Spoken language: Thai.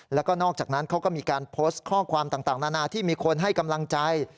แล้วก็นอกจากนั้นเขาก็มีการโพสต์ข้อความต่างนานาที่มีคนให้กำลังใจ